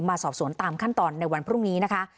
มาสอบสวนตามขั้นตอนในวันพรุ่งนี้นะคะ